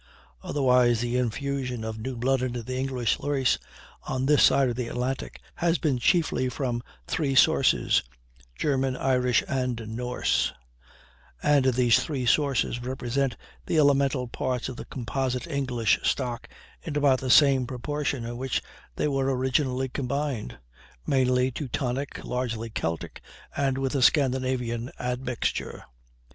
Otherwise, the infusion of new blood into the English race on this side of the Atlantic has been chiefly from three sources German, Irish, and Norse; and these three sources represent the elemental parts of the composite English stock in about the same proportions in which they were originally combined, mainly Teutonic, largely Celtic, and with a Scandinavian admixture.